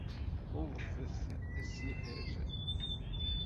Ḍḍfet asihaṛ.